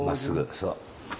そう。